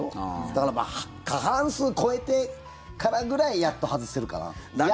だから過半数超えてからぐらいでやっと外せるかな。